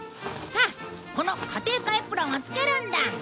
さあこの家庭科エプロンをつけるんだ！